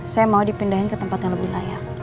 saya mau dipindahin ke tempat yang lebih layak